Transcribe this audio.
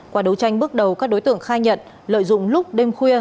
qua đấu tranh bước đầu các đối tượng khai nhận lợi dụng lúc đêm khuya